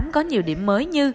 có nhiều điểm mới như